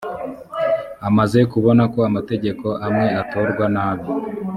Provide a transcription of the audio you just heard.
amaze kubona ko amategeko amwe atorwa nabi